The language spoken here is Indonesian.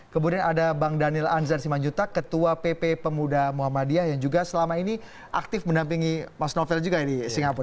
kemudian ada bang daniel anzar simanjuta ketua pp pemuda muhammadiyah yang juga selama ini aktif mendampingi mas novel juga di singapura